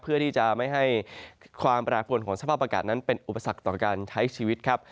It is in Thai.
เพื่อที่จะไม่ให้ความแปรปวนของสภาพอากาศนั้นเป็นอุปสรรคต่อการใช้ชีวิตครับ